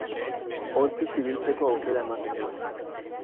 Ontziz ibiltzeko aukera ematen du.